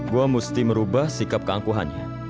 gue mesti merubah sikap keangkuhannya